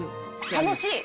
楽しい！